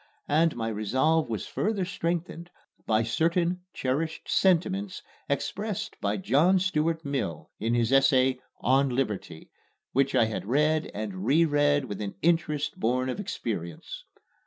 And my resolve was further strengthened by certain cherished sentiments expressed by John Stuart Mill in his essay "On Liberty," which I had read and reread with an interest born of experience.